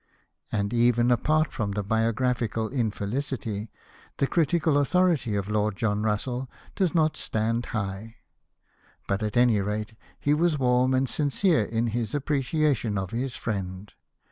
And even apart from biographical infelicity, the critical authority of Lord John Russell does not stand high. But at any rate he was warm and sincere in his appreciation of his friend.